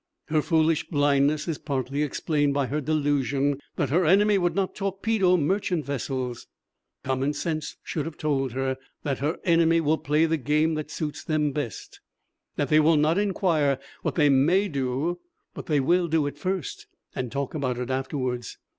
Her foolish blindness is partly explained by her delusion that her enemy would not torpedo merchant vessels. Common sense should have told her that her enemy will play the game that suits them best that they will not inquire what they may do, but they will do it first and talk about it afterwards.